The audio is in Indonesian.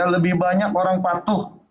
lebih banyak orang patuh